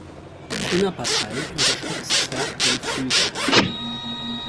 Innerparteilich unterstützt Zwerg den Flügel.